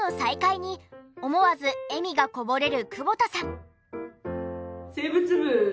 に思わず笑みがこぼれる久保田さん。